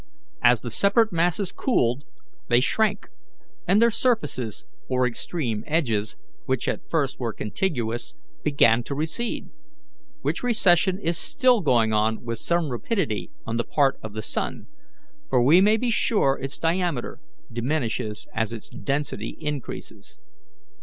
As the separate masses cooled, they shrank, and their surfaces or extreme edges, which at first were contiguous, began to recede, which recession is still going on with some rapidity on the part of the sun, for we may be sure its diameter diminishes as its density increases.